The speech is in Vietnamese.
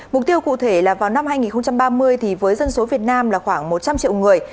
mục tiêu cụ thể là vào năm hai nghìn ba mươi thì với dân số việt nam là khoảng một trăm linh triệu người